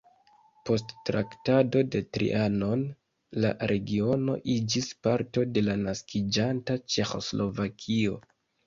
Post Traktato de Trianon la regiono iĝis parto de la naskiĝanta Ĉeĥoslovakio.